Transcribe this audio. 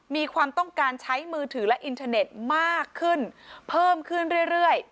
มีความต้องการใช้มือถือและอินเทอร์เน็ตมากขึ้นเพิ่มขึ้นเรื่อย